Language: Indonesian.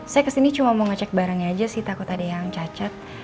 saya kesini cuma mau ngecek barangnya aja sih takut ada yang cacat